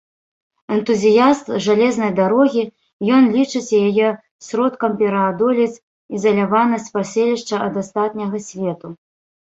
Энтузіяст жалезнай дарогі, ён лічыць яе сродкам пераадолець ізаляванасць паселішча ад астатняга свету.